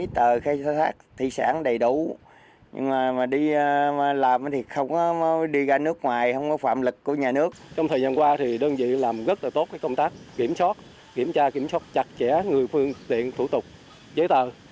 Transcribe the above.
trong thời gian qua đơn vị làm rất tốt công tác kiểm soát kiểm tra kiểm soát chặt chẽ người phương tiện thủ tục giấy tờ